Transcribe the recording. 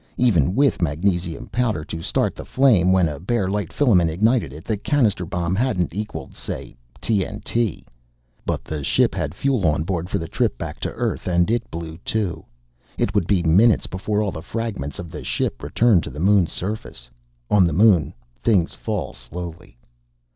Even with magnesium powder to start the flame when a bare light filament ignited it, the cannister bomb hadn't equaled say T.N.T. But the ship had fuel on board for the trip back to Earth. And it blew, too. It would be minutes before all the fragments of the ship returned to the Moon's surface. On the Moon, things fall slowly.